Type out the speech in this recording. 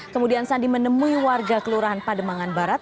kemudian sandi menemui warga kelurahan pademangan barat